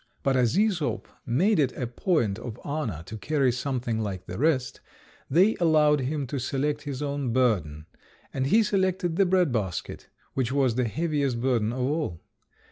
But as Æsop made it a point of honour to carry something like the rest, they allowed him to select his own burden, and he selected the bread basket, which was the heaviest burden of all.